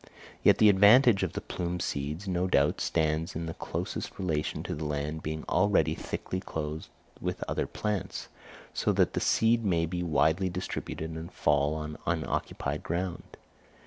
Yet the advantage of the plumed seeds no doubt stands in the closest relation to the land being already thickly clothed with other plants; so that the seeds may be widely distributed and fall on unoccupied ground.